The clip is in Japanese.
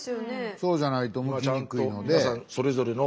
そうじゃないとむきにくいので。